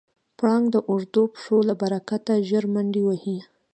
پړانګ د اوږدو پښو له برکته ژر منډه وهي.